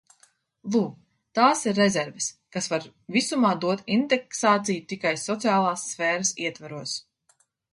Lūk, tās ir rezerves, kas var visumā dot indeksāciju tikai sociālās sfēras ietvaros.